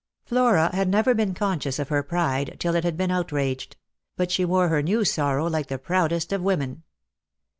Flora had never been conscious of her pride till it had been outraged : but she wore her new sorrow like the proudest of women.